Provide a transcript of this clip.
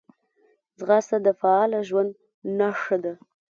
ځغاسته د فعاله ژوند نښه ده